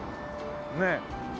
ねえ。